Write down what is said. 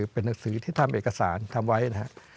เป็นหนังสือที่ทำเอกสารทำไว้นะครับ